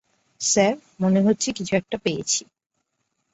Sir, মনে হচ্ছে কিছু একটা পেয়েছি।